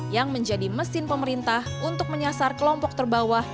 yang menjadi mesin pemerintah untuk menyasar kelompok terbawah